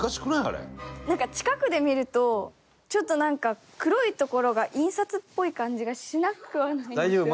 近くで見るとちょっとなんか黒いところが印刷っぽい感じがしなくはない。